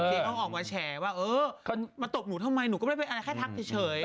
ต้องออกมาแฉว่าเออมาตบหนูทำไมหนูก็ไม่ได้เป็นอะไรแค่ทักเฉย